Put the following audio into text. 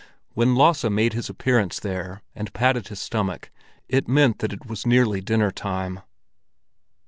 When Lasse made his appearance there, and patted his stomach, it meant that it was nearly dinner time.